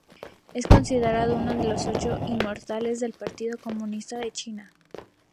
Es considerado uno de los Ocho Inmortales del Partido Comunista de China.